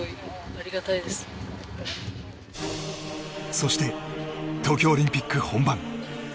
そして東京オリンピック本番。